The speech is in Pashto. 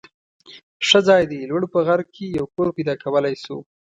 ښه ځای دی. لوړ په غر کې یو کور پیدا کولای شو.